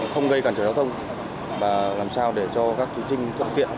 không gây cản trở giao thông và làm sao để cho các thí sinh thuận tiện